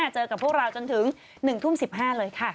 เจอกับพวกเราจนถึง๑ทุ่ม๑๕เลยค่ะ